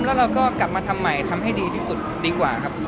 แล้วเราก็กลับมาทำใหม่ทำให้ดีที่สุดดีกว่าครับ